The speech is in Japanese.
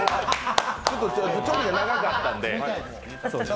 ちょっと調理が長かったんで。